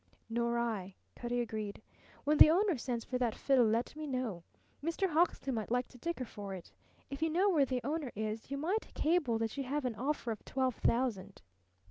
"Nor I," Cutty agreed. "When the owner sends for that fiddle let me know. Mr. Hawksley might like to dicker for it. If you know where the owner is you might cable that you have an offer of twelve thousand."